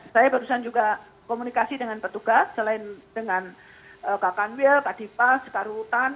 saya perusahaan juga komunikasi dengan petugas selain dengan kak kanwil kak dipas kak rutan